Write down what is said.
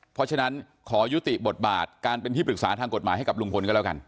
เพราะฉะนั้นขอยุติบทบาทการเป็นที่ปรึกษาทางกฎหมายให้กับลุงพลก็แล้วกัน